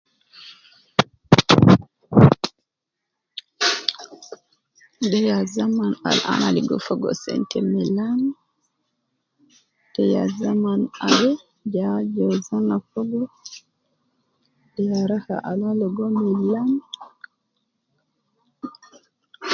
De ya zaman al ana ligo fogo sente milan, de ya zaman al, ja jozu ana fogo, de ya raha al ana logo milan